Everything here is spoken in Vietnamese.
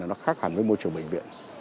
nó khác hẳn với môi trường bệnh viện